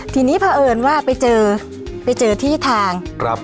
ทีนี้เพราะเอิญว่าไปเจอไปเจอที่ทาง